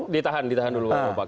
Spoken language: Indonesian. ditahan ditahan dulu pak